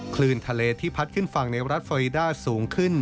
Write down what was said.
คลื่นทะเลที่พัดขึ้นฝั่งในรัฐฟอรีด้าสูงขึ้น